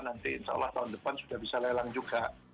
nanti insya allah tahun depan sudah bisa lelang juga